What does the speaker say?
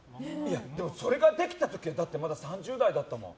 それができた時はまだ３０代だったもん。